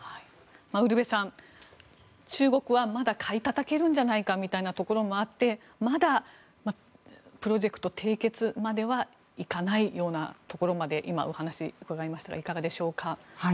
ウルヴェさん、中国はまだ買いたたけるんじゃないかみたいなところもあってまだプロジェクト締結まではいかないというところまで今、お話を伺いましたがいかがでしょうか。